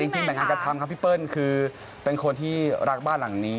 แต่จริงแบ่งหน้าที่กันทำครับพี่เปิ้ลคือเป็นคนที่รักบ้านหลังนี้